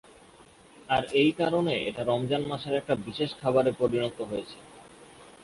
আর এই কারণে এটা রমজান মাসের একটা বিশেষ খাবারে পরিণত হয়েছে।